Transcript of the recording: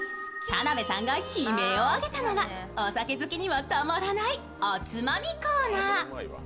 田辺さんが悲鳴を上げたのはお酒好きにはたまらないおつまみコーナー。